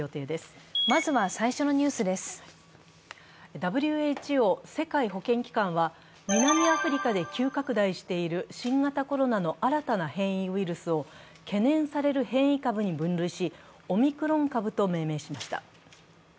ＷＨＯ＝世界保健機関は南アフリカで急拡大している新型コロナの新たな変異ウイルスを、懸念される変異株に分類し、オミクロン株と命名しました。